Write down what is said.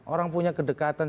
orang punya kedekatan